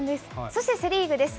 そしてセ・リーグです。